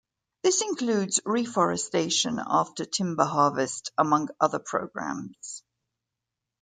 This includes reforestation after timber harvest, among other programs.